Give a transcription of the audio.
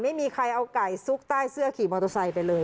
ไม่มีใครเอาไก่ซุกใต้เสื้อขี่มอเตอร์ไซค์ไปเลย